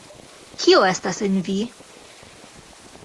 Kio estas en vi?